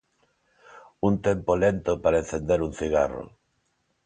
Un tempo lento para encender un cigarro.